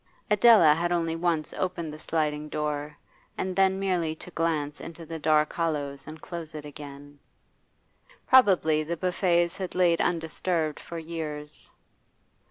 Adela had only once opened the sliding door, and then merely to glance into the dark hollows and close it again. Probably the buffets had lain undisturbed for years.